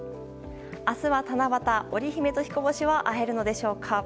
明日は七夕、織姫と彦星は会えるのでしょうか？